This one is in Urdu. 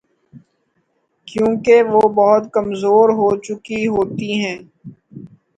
کیونکہ وہ بہت کمزور ہو چکی ہوتی ہیں